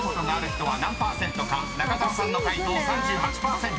［中澤さんの解答３８％。